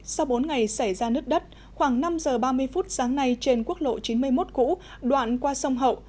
sau bốn ngày xảy ra nứt đất khoảng năm giờ ba mươi phút sáng nay trên quốc lộ chín mươi một cũ đoạn qua sông hậu